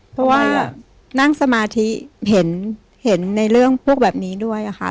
เพราะว่านั่งสมาธิเห็นในเรื่องพวกแบบนี้ด้วยค่ะ